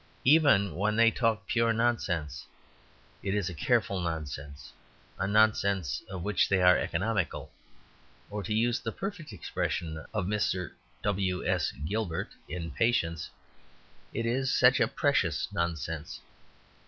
Even when they talk pure nonsense it is a careful nonsense a nonsense of which they are economical, or, to use the perfect expression of Mr. W. S. Gilbert in "Patience," it is such "precious nonsense."